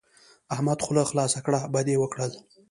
احمد خوله خلاصه کړه؛ بد يې وکړل.